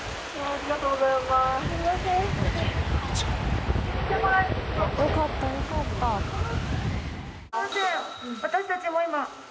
ありがとうございます。